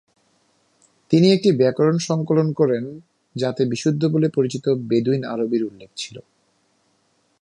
তিনি একটি ব্যাকরণ সংকলন করেন যাতে বিশুদ্ধ বলে পরিচিত বেদুইন আরবির উল্লেখ ছিল।